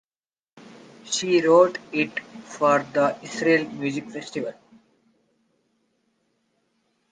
She wrote it for the Israeli Music Festival.